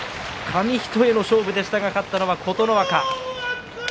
紙一重の勝負でしたが勝ったのは琴ノ若。